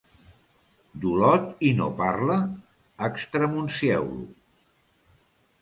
D'Olot i no parla? Extremuncieu-lo.